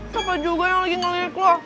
siapa juga yang lagi ngeliat lu